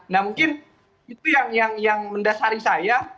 nah mungkin itu yang mendasari saya